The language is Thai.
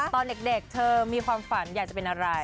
ตอนเด็กเธอมีความฝันอยากจะเป็นอะไร